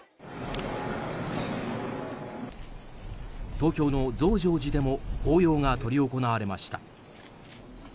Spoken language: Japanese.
東京の増上寺でも法要が執り行われました。